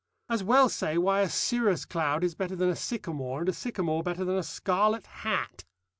As well say why a cirrus cloud is better than a sycamore and a sycamore better than a scarlet hat.